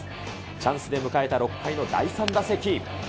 チャンスで迎えた６回の第３打席。